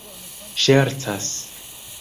ŝercas